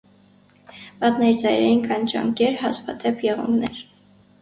Մատների ծայրերին կան ճանկեր, հազվադեպ՝ եղունգներ։